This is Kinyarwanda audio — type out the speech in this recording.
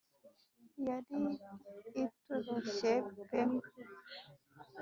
yari ituroshye pe